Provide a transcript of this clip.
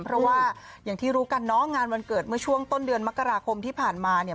เพราะว่าอย่างที่รู้กันเนาะงานวันเกิดเมื่อช่วงต้นเดือนมกราคมที่ผ่านมาเนี่ย